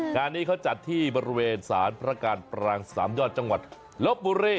งานนี้เขาจัดที่บริเวณสารพระการปรางสามยอดจังหวัดลบบุรี